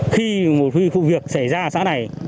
khi một khu vực xảy ra ở xã này